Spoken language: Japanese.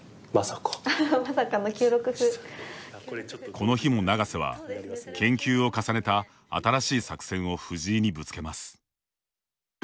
この日も永瀬は、研究を重ねた新しい作戦を藤井にぶつけます。